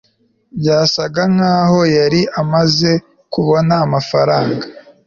Byasaga nkaho yari amaze kubona amafaranga